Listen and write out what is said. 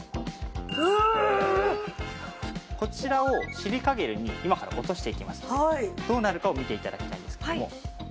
こちらをシリカゲルに今から落としていきますのでどうなるかを見て頂きたいんですけれども。